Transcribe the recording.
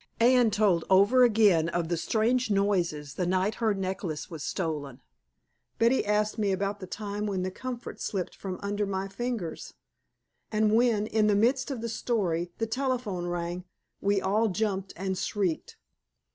Anne told over again of the strange noises the night her necklace was stolen. Betty asked me about the time when the comfort slipped from under my fingers. And when, in the midst of the story, the telephone rang, we all jumped and shrieked.